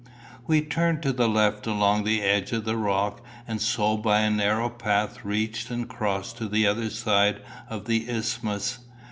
We turned to the left along the edge of the rock, and so by a narrow path reached and crossed to the other side of the isthmus.